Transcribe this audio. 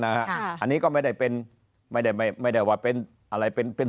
อันนี้ก็ไม่ได้เป็นไม่ได้ว่าเป็นอะไรเป็นเป็น